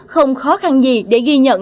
không khó khăn gì để ghi nhận